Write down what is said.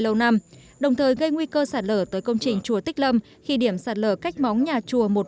lâu năm đồng thời gây nguy cơ sạt lở tới công trình chùa tích lâm khi điểm sạt lở cách móng nhà chùa